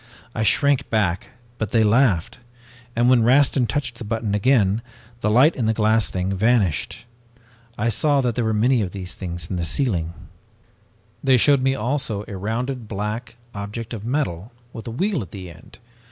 I shrank back, but they laughed, and when Rastin touched the button again, the light in the glass thing vanished. I saw that there were many of these things in the ceiling. "They showed me also a rounded black object of metal with a wheel at the end.